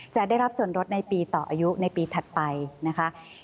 จะได้รับส่วนลดในปีต่ออายุในปีถัดไปนะคะ